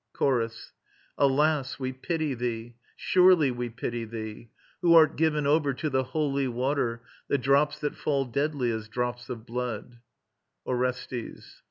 ] CHORUS. Alas, we pity thee; surely we pity thee: [Strophe.] Who art given over to the holy water, The drops that fall deadly as drops of blood. ORESTES.